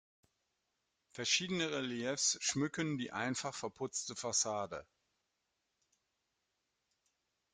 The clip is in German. Verschiedene Reliefs schmücken die einfach verputzte Fassade.